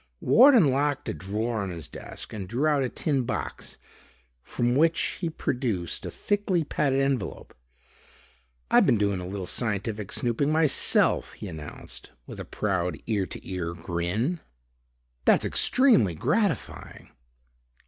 Ward unlocked a drawer in his desk and drew out a tin box from which he produced a thickly padded envelope. "I been doing a little scientific snooping myself," he announced with a proud ear to ear grin. "That's extremely gratifying."